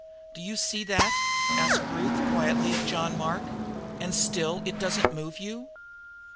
"Do you see that," asked Ruth quietly of John Mark, "and still it doesn't move you?"